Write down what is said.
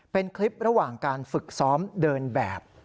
เป็นคลิประหว่างการฝึกซ้อมเดินแบบ